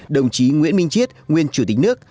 đồng chí nguyễn minh chiết nguyên chủ tịch nước